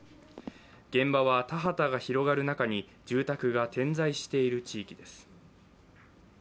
現場は、田畑が広がる中に住宅が点在している地域です。